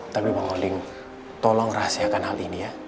tapi bang holding tolong rahasiakan hal ini ya